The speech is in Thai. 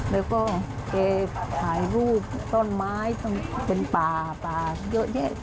แล้วก็แกถ่ายรูปต้นไม้เป็นป่าป่าเยอะแยะ